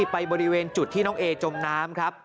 ไปบริเวณจุดที่น้องเอจมน้ำครับ